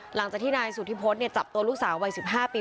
หลังจากที่นายสุธิพจน์เนี่ยจับตัวลูกสาววัยสิบห้าปี